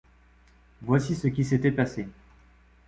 Voici ce qui s’était passé